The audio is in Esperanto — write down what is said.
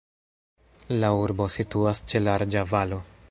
La urbo situas ĉe larĝa valo.